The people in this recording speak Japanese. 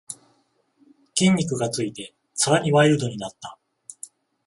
筋肉がついてさらにワイルドになった